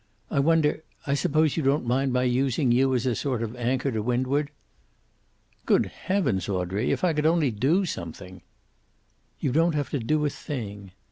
I wonder I suppose you don't mind my using you as a sort of anchor to windward?" "Good heavens, Audrey! If I could only do something." "You don't have to do a thing."